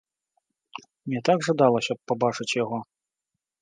Мне так жадалася б пабачыць яго.